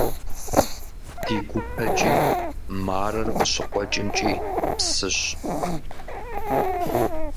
Ди гупэкӀи, Марэр къыщыкъуэкӀымкӀи псыщ.